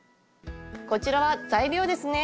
こちらは材料ですね。